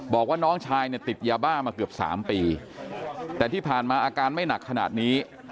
บอกว่าน้องชายเนี่ยติดยาบ้ามาเกือบ๓ปีแต่ที่ผ่านมาอาการไม่หนักขนาดนี้